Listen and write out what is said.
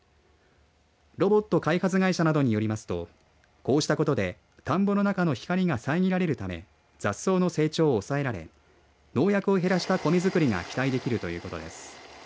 ロボット開発会社などによりますとこうしたことで、田んぼの中の光が遮られるため雑草の成長を抑えられ農薬を減らしたコメづくりが期待できるということです。